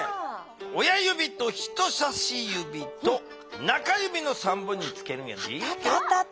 親ゆびと人さしゆびと中ゆびの３本につけるんやで。